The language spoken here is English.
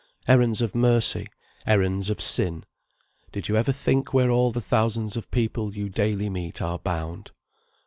Errands of mercy errands of sin did you ever think where all the thousands of people you daily meet are bound?